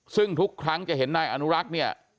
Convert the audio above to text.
ซึ่งทุกครั้งจะเห็นนายอนุรักษ์เนี่ย